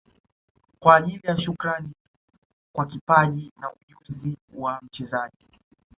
Kwa ajili ya Shukrani kwa kipaji na ujuzi wa mchezaji